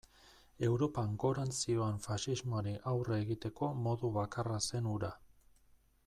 Europan gorantz zihoan faxismoari aurre egiteko modu bakarra zen hura.